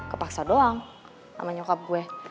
kepaksa doang sama nyokap gue